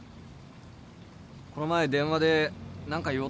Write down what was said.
この前電話で何か言おうとしてたよな？